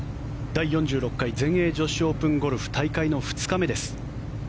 第４６回全英女子オープンゴルフ大会の２日目です。